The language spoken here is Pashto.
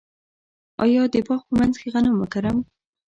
آیا د باغ په منځ کې غنم وکرم؟